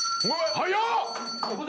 早っ！